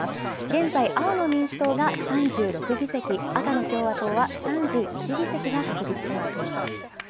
現在、青の民主党が３６議席、赤の共和党は３１議席が確実となっています。